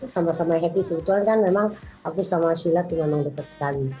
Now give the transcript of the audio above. sama sama happy kebetulan kan memang aku sama shilla tuh memang deket sekali